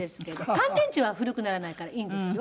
乾電池は古くならないからいいんですよ。